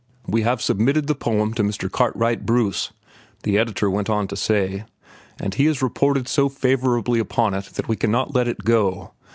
"We have submitted the poem to Mr. Cartwright Bruce," the editor went on to say, "and he has reported so favorably upon it that we cannot let it go.